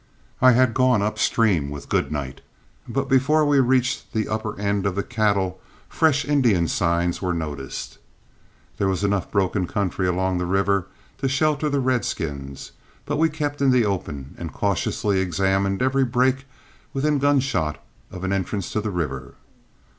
I had gone upstream with Goodnight, but before we reached the upper end of the cattle fresh Indian sign was noticed. There was enough broken country along the river to shelter the redskins, but we kept in the open and cautiously examined every brake within gunshot of an entrance to the river.